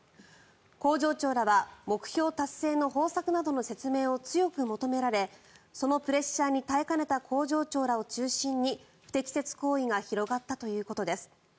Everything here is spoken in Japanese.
工場長らは目標達成の方策などの説明を強く求められそのプレッシャーに耐えかねた工場長らを中心に不適切行為が広がったということです。